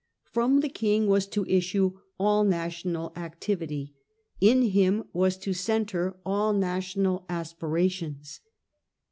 From the King was to issue all national activity; in him were to centre all national aspirations.